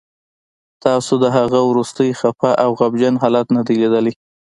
تاسو د هغه وروستی خفه او غمجن حالت نه دی لیدلی